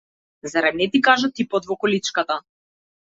Зар не ти кажа типот во количката?